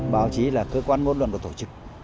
báo chí là cơ quan ngôn luận của tổ chức